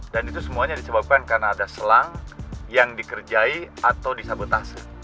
dan itu semuanya disebabkan karena ada selang yang dikerjai atau disabotase